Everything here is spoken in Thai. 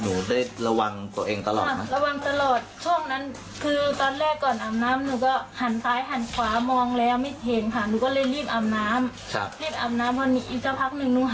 หนูก็เลยรีบอำน้ำรีบอำน้ำพอหนีอีกเจ้าพักหนึ่งหนูหันไปหนูก็เห็นกล้องเลยค่ะ